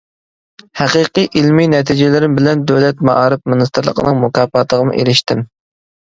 ھەقىقىي ئىلمىي نەتىجىلىرىم بىلەن دۆلەت مائارىپ مىنىستىرلىقىنىڭ مۇكاپاتىغىمۇ ئېرىشتىم.